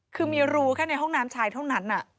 คือมีรูแค่ในห้องน้ำชายเท่านั้น